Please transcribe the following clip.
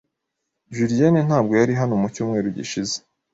Jullienne ntabwo yari hano mu cyumweru gishize.